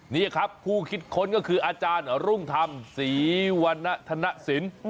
นี่ครับผู้คิดค้นก็คืออาจารย์รุ่งธรรมศรีวรรณธนสิน